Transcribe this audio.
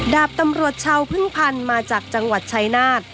ดาบตำรวจชาวพึ่งพันธุ์มาจากจังหวัดชายนาฏ